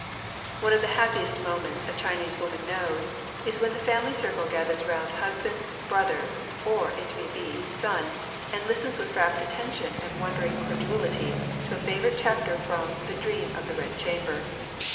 One of the happiest moments a Chinese woman knows, is when the family circle gathers round husband, brother, or it may be son, and listens with rapt attention and wondering credulity to a favourite chapter from the '* Dream of the Bed Chamber."